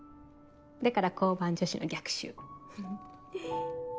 だから交番女子の逆襲フフっ。